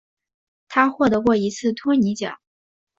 他获得过一次托尼奖。